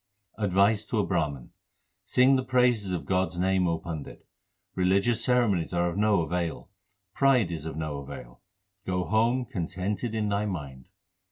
Advice to a Brahman : Sing the praises of God s name, O Pandit. Religious ceremonies are of no avail ; pride is of no avail ; go home contented in thy mind.